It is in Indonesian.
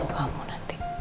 untuk kamu nanti